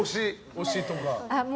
推しとか。